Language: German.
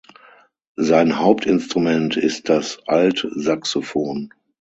Sein Hauptinstrument ist das Altsaxophon.